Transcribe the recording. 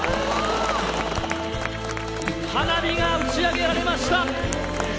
花火が打ち上げられました。